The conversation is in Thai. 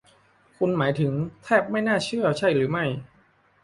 คุณหมายถึงแทบไม่น่าเชื่อใช่หรือไม่